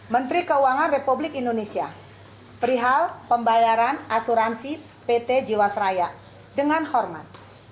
menteri keuangan republik indonesia perihal pembayaran asuransi pt jiwasraya dengan hormat